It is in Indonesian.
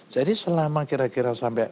jadi selama kira kira sampai